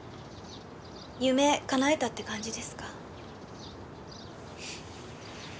夢かなえたって感じですか？